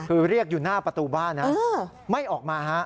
คือเรียกอยู่หน้าประตูบ้านนะไม่ออกมาฮะ